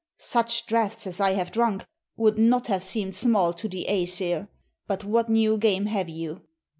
"Such draughts as I have drunk would not have seemed small to the Æsir. But what new game have you?"